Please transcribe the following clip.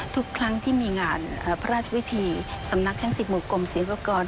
ทุกครั้งที่มีงานพระราชวิธีสำนักช่างสิบหมู่กรมศิลปกรณ์